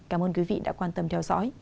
cảm ơn quý vị đã quan tâm theo dõi